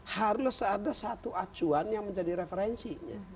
harus ada satu acuan yang menjadi referensinya